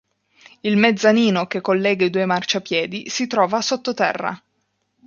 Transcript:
Il mezzanino, che collega i due marciapiedi, si trova sottoterra.